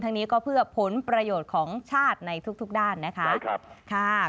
นี้ก็เพื่อผลประโยชน์ของชาติในทุกด้านนะคะ